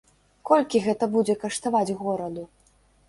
Колькі гэта будзе каштаваць гораду?